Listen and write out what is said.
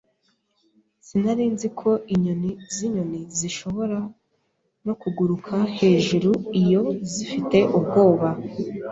Sinari nzi ko inyoni zinyoni zishobora no kuguruka hejuru iyo zifite ubwoba.